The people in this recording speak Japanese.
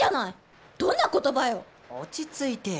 どんな言葉よ⁉落ち着いてよ。